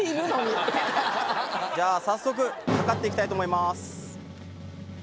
じゃあ早速測って行きたいと思います。